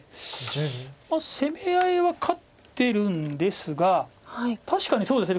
攻め合いは勝ってるんですが確かにそうですね。